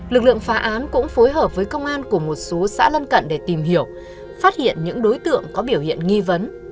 lực lượng phá án cũng phối hợp với công an của một số xã lân cận để tìm hiểu phát hiện những đối tượng có biểu hiện nghi vấn